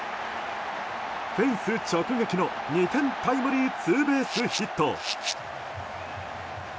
フェンス直撃の２点タイムリーツーベースヒット。